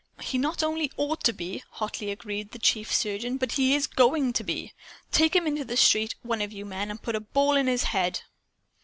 "He not only OUGHT to be," hotly agreed the chief surgeon, "but he is GOING to be. Take him out into the street, one of you men, and put a ball in his head."